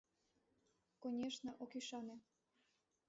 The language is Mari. Конешне, ок ӱшане.